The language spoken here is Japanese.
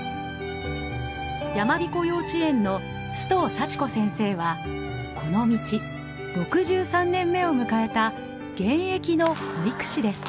山彦幼稚園の須藤祥子先生はこの道６３年目を迎えた現役の保育士です。